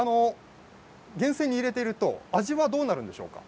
源泉に入れていると味はどうなるんですか。